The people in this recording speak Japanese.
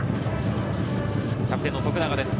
キャプテンの徳永です。